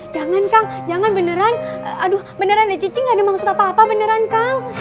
jangan kang jangan beneran aduh beneran ada cici gak ada maksud apa apa beneran kang